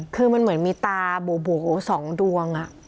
คือมันเหมือนมีตาโบ๒ดวง